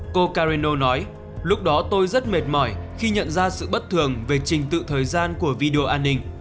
cô carreno nói lúc đó tôi rất mệt mỏi khi nhận ra sự bất thường về trình tự thời gian